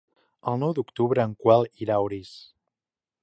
El nou d'octubre en Quel irà a Orís.